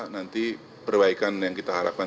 nanti perbaikan yang kita harapkan